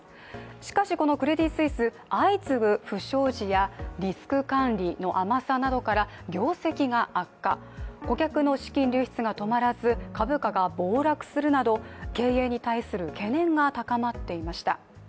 しかしこのクレディ・スイス、相次ぐ不祥事やリスク管理の甘さなどから業績が悪化、顧客の資金流出が止まらず株価が暴落するなど経営に対する懸念が高まっていました。